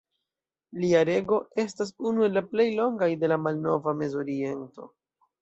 Lia rego estas unu el la plej longaj de la malnova Mezoriento.